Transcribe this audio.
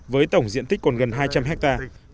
với tổng diện tích còn gần hai trăm linh hectare